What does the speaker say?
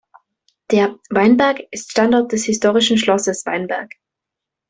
Der "Weinberg" ist Standort des historischen Schlosses Weinberg.